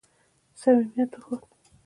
صمیمیت وښود.